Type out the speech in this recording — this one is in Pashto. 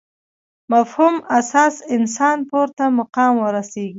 مفهوم اساس انسانان پورته مقام ورسېږي.